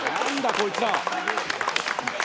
こいつら！